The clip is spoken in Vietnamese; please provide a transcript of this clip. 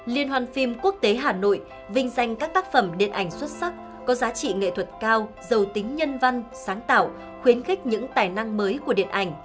liên hoan phim quốc tế hà nội vinh danh các tác phẩm điện ảnh xuất sắc có giá trị nghệ thuật cao giàu tính nhân văn sáng tạo khuyến khích những tài năng mới của điện ảnh